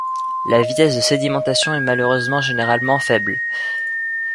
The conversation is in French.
La vitesse de sédimentation est malheureusement généralement faible.